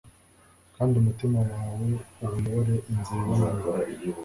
kandi umutima wawe uwuyobore inzira iboneye